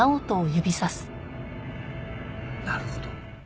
なるほど。